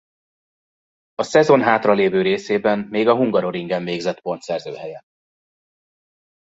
A szezon hátralévő részében még a Hungaroringen végzett pontszerző helyen.